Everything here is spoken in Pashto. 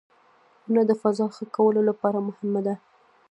• ونه د فضا ښه کولو لپاره مهمه ده.